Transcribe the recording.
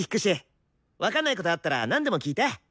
分かんないことあったらなんでも聞いて！